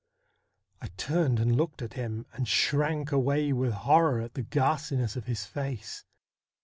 I turned and looked at him, and shrank away with horror at the ghastliness of his face.